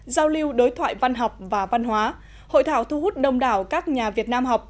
giao lưu đối thoại văn học và văn hóa hội thảo thu hút đông đảo các nhà việt nam học